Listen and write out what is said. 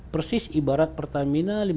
persis ibarat pertamina